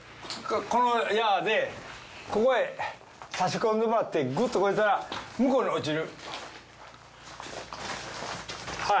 この矢でここへ差し込んでもらってぐっとこうやったら向こうに落ちる。